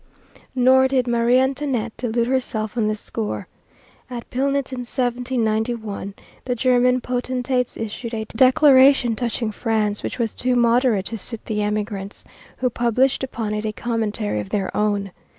Nor did Marie Antoinette delude herself on this score. At Pilnitz, in 1791, the German potentates issued a declaration touching France which was too moderate to suit the emigrants, who published upon it a commentary of their own.